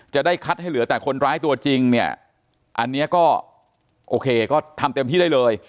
จะได้คัดให้เหลือแต่คนร้ายตัวจริงเนี่ยอันนี้ก็โอเคก็ทำเต็มที่ได้เลย